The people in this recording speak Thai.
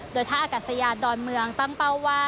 โดยท่าอากาศยานดอนเมืองตั้งเป้าว่า